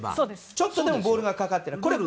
ちょっとでもボールがかかっていれば。